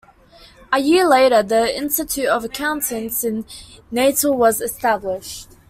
A year later the Institute of Accountants in Natal was established.